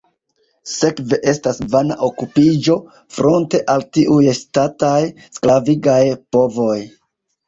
Sekve estas vana okupiĝo, fronte al tiuj ŝtataj, sklavigaj povoj.